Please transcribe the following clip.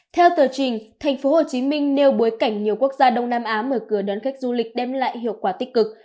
theo tờ trình thành phố hồ chí minh nêu bối cảnh nhiều quốc gia đông nam á mở cửa đón khách du lịch đem lại hiệu quả tích cực